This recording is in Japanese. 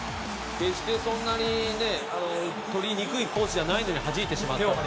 決して、そんなに取りにくいコースじゃないのにはじいてしまって。